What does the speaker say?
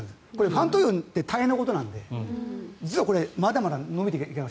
ファン投票って大変なことなので実はまだまだ伸びていきます。